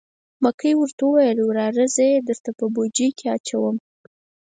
مکۍ ورته وویل: وراره زه یې درته په بوجۍ کې اچوم.